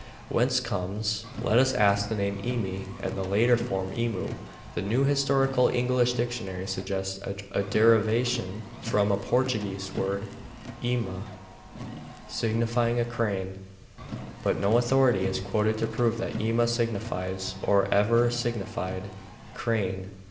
Whence comes, let us ask, the name 'eme' and the later form, 'emu.' The New Historical English Dictionary suggests a derivation from a Portuguese word, 'ema,' signifying a crane. But no authority is quoted to prove that ema signifies, or ever signified, crane.